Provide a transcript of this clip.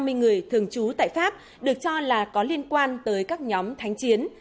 nhóm người thường trú tại pháp được cho là có liên quan tới các nhóm thánh chiến